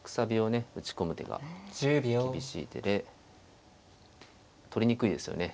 打ち込む手が厳しい手で取りにくいですよね。